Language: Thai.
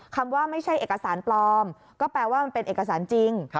คำว่าไม่ใช่เอกสารปลอมก็แปลว่ามันเป็นเอกสารจริง